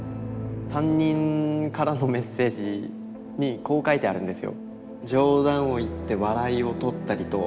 担任からのメッセージにこう書いてあるんですよ。